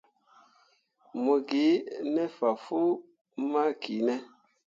Mo gi ne fah fuu ma ki ne.